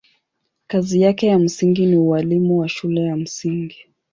Kazi yake ya msingi ni ualimu wa shule ya msingi.